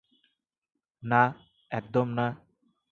না, একদম না।